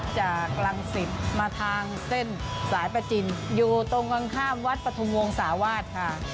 จากรังสิตมาทางเส้นสายประจินอยู่ตรงข้างวัดปฐุมวงศาวาสค่ะ